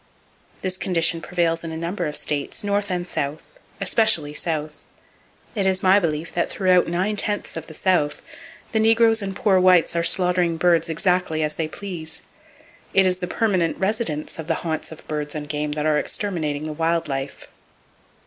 This condition prevails in a number of states, north and south, especially south. It is my belief that throughout nine tenths of the South, the negroes and poor whites are slaughtering birds exactly as they please. It is the permanent residents of the haunts of birds and game that are exterminating the wild life.